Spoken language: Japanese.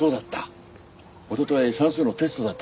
おととい算数のテストだっただろ。